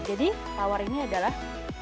jadi lawar ini adalah